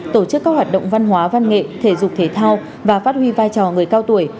tổ chức các hoạt động văn hóa văn nghệ thể dục thể thao và phát huy vai trò người cao tuổi